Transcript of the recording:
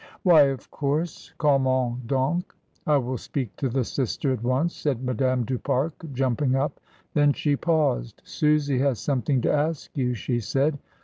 "Why, of course, comment done. I will speak to the sister at once," said Madame du Pare, jumping up. Then she paused. "Susy has something to ask you," she said.